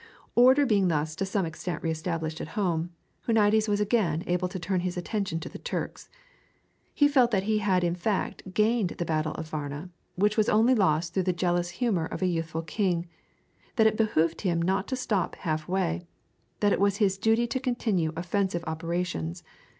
Order being thus to some extent re established at home, Huniades was again able to turn his attention to the Turks. He felt that he had in fact gained the battle of Varna, which was only lost through the jealous humor of a youthful king; that it behoved him not to stop half way; that it was his duty to continue offensive operations.